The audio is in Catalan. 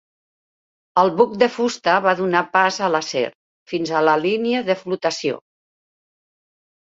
El buc de fusta va donar pas a l'acer fins a la línia de flotació.